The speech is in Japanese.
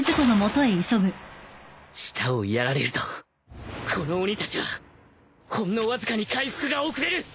舌をやられるとこの鬼たちはほんのわずかに回復が遅れる